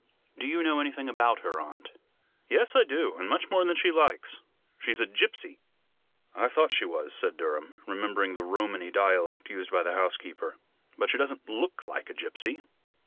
"Do you know anything about her, aunt?" "Yes, I do, and much more than she likes. She's a gipsy." "I thought she was," said Durham, remembering the Romany dialect used by the housekeeper, "but she doesn't look like a gipsy."